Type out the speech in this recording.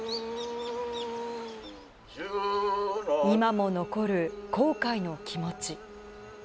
今も残る後悔の気持ち。